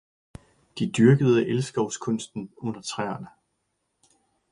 De dyrkede elskovskunsten under træerne